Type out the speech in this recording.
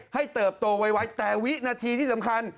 เติบโตไวแต่วินาทีที่สำคัญ